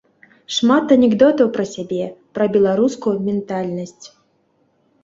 Шмат анекдотаў пра сябе, пра беларускую ментальнасць.